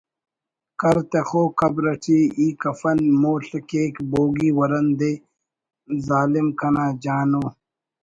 کر تخوک قبر اٹی ای کفن مول/ کیک بوگی ورند اے ظالم کنا جان و